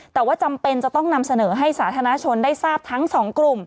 แต่ว่าจำเป็นจะต้องนำเสนอให้สาธารณชนได้ทราบทั้งสองกลุ่ม